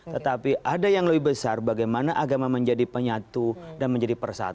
kalau ada yang lebih afdal kami akan dorong kepada yang lebih afdal meskipun itu bukan soal sah dan tidak sahnya